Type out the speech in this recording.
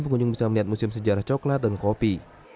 pengunjung bisa melihat musim sejarah coklat dan kopi